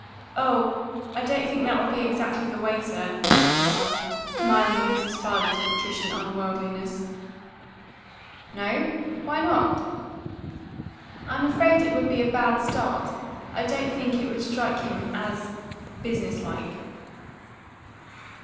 "Oh, I don't think that would be exactly the way, sir," said the son, smiling at his father's patrician unworldliness. "No? Why not?" "I'm afraid it would be a bad start. I don't think it would strike him as business like."